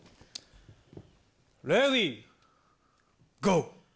レディーゴー。